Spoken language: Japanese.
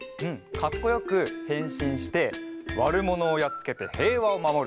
かっこよくへんしんしてわるものをやっつけてへいわをまもる！